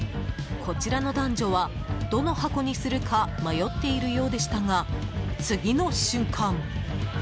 こちらの男女は、どの箱にするか迷っているようでしたが次の瞬間。